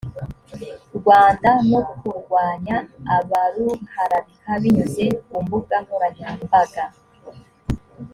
rwanda no kurwanya abaruharabika binyuze ku mbuga nkoranyambaga